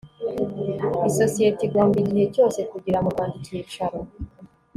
isosiyete igomba igihe cyose kugira mu rwanda icyicaro